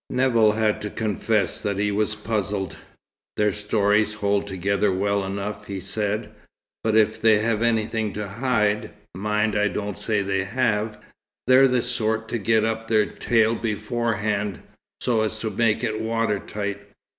Nevill had to confess that he was puzzled. "Their stories hold together well enough," he said, "but if they have anything to hide (mind, I don't say they have) they're the sort to get up their tale beforehand, so as to make it water tight.